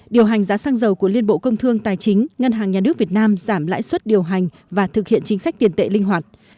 điều hành giá xăng dầu của liên bộ công thương tài chính ngân hàng nhà nước việt nam giảm lãi suất điều hành và thực hiện chính sách tiền tệ linh hoạt